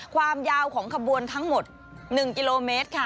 ความยาวของขบวนทั้งหมด๑กิโลเมตรค่ะ